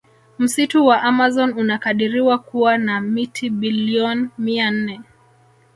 Msitu wa amazon unakadiriwa kuwa na miti billion mia nne